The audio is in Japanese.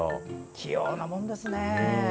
器用なものですね。